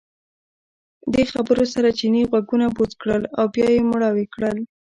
دې خبرو سره چیني غوږونه بوڅ کړل او بیا یې مړاوي کړل.